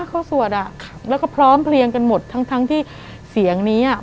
เขาสวดอ่ะครับแล้วก็พร้อมเพลียงกันหมดทั้งทั้งที่เสียงนี้อ่ะ